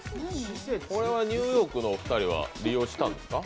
これはニューヨークのお二人は利用したんですか？